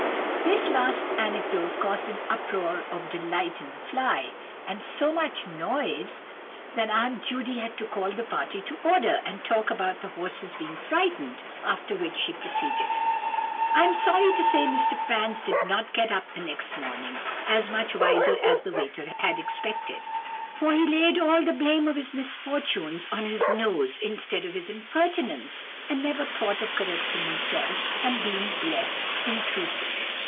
'" This last anecdote caused an uproar of delight in the fly, and so much noise, that Aunt Judy had to call the party to order, and talk about the horses being frightened, after which she proceeded:— "I am sorry to say Mr. Franz did not get up next morning as much wiser as the waiter had expected, for he laid all the blame of his misfortunes on his nose instead of his impertinence, and never thought of correcting himself, and being less intrusive.